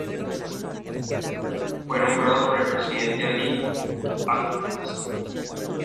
Fue nombrado por el presidente Ali Abdullah Saleh.